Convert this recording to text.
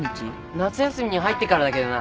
夏休みに入ってからだけどな。